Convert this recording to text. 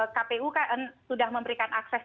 kpu sudah memberikan akses